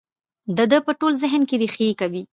د ده په ټول ذهن کې رېښې کوي.